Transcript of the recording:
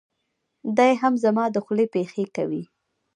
دی هم زما دخولې پېښې کوي.